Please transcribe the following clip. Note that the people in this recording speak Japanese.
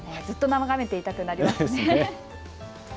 ずっと眺めていたくなりますね。